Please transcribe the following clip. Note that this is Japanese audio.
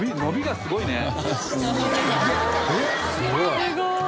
すごい。